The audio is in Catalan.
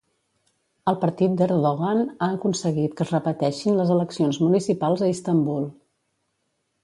El partit d'Erdogan ha aconseguit que es repeteixin les eleccions municipals a Istambul.